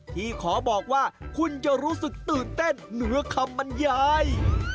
ที่ขอบอกว่าคุณจะรู้สึกตื่นเต้นเหนือคำบรรยาย